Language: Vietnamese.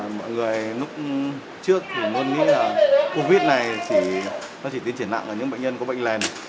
mọi người lúc trước thì luôn nghĩ là covid này nó chỉ tiến triển nặng vào những bệnh nhân có bệnh lèn